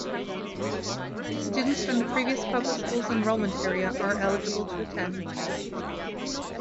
Students from the previous public school's enrollment area are eligible to attend.